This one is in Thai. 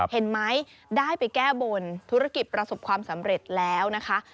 เห็นไหมได้ไปแก้บนธุรกิจประสบความสำเร็จแล้วนะคะ